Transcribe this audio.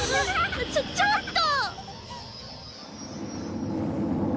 ちょちょっと！